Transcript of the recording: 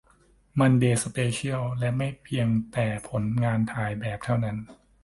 มันเดย์ สเปเชียล และไม่เพียงแต่ผลงานถ่ายแบบเท่านั้น